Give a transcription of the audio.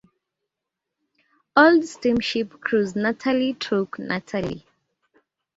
Old steamship cruise Naantali-Turku-Naantali.